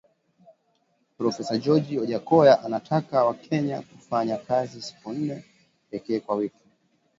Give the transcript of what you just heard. Profesa George Wajackoya anataka wakenya kufanya kazi siku nne pekee kwa wiki